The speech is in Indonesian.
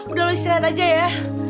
udah lo istirahat aja ya